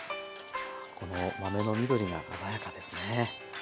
この豆の緑が鮮やかですね。